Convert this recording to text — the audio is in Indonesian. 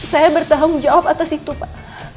saya bertanggung jawab atas itu pak